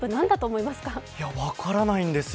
いや、分からないんですよ。